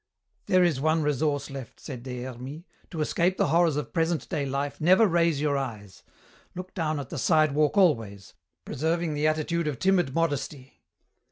"There is one resource left," said Des Hermies. "To escape the horrors of present day life never raise your eyes. Look down at the sidewalk always, preserving the attitude of timid modesty.